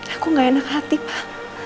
aku gak enak hati pak